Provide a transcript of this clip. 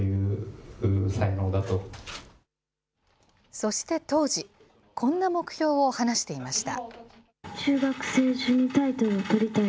そして当時、こんな目標を話していました。